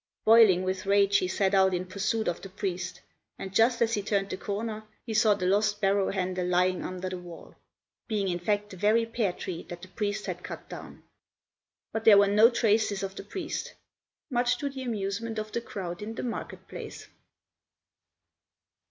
Boiling with rage, he set out in pursuit of the priest, and just as he turned the corner he saw the lost barrow handle lying under the wall, being in fact the very pear tree that the priest had cut down. But there were no traces of the priest much to the amusement of the crowd in the market place.